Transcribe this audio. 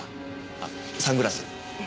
あっサングラス。